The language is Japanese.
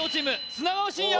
砂川信哉